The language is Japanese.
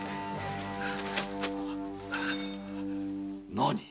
何？